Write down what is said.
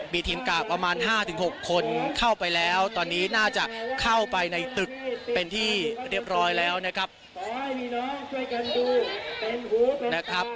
มีทีมกราบประมาณ๕๖คนเข้าไปแล้วตอนนี้น่าจะเข้าไปในตึกเป็นที่เรียบร้อยแล้วนะครับ